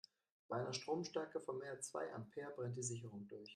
Bei einer Stromstärke von mehr als zwei Ampere brennt die Sicherung durch.